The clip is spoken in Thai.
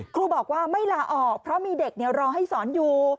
ครูบอกว่าไม่ลาออกเพราะมีเด็กรอให้สอนอยู่